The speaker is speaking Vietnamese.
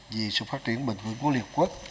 vì sự phát triển bình thường của lĩnh vực